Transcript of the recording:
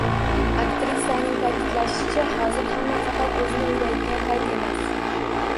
Aktisaning ta’kidlashicha, hozir hamma faqat o‘zini o‘ylaydigan payt emas